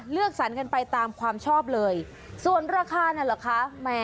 สรรกันไปตามความชอบเลยส่วนราคานั่นเหรอคะ